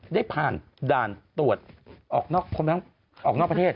ได้ผ่านด่านตรวจออกนอกประเทศ